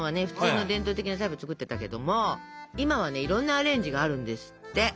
普通の伝統的なタイプを作ってたけども今はねいろんなアレンジがあるんですって。